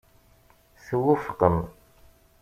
Twufqem.